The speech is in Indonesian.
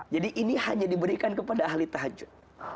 jadi ini hanya diberikan kepada ahli tahajud